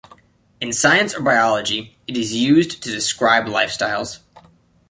In science or biology it is used to describe lifestyles.